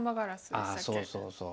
あそうそうそう。